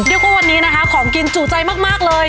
เรียกว่าวันนี้นะคะของกินจุใจมากเลย